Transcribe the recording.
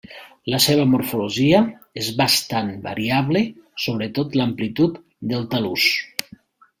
La seva morfologia és bastant variable, sobretot l'amplitud del tal·lus.